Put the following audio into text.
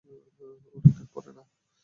অনেক দিন পরে, না?